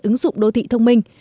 ứng dụng đô thị thông minh